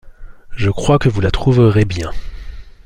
Je crois que vous la trouverez bien.